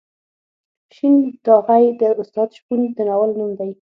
شین ټاغی د استاد شپون د ناول نوم دی.